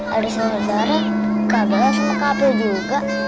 ada seorang orang kabur sama kapel juga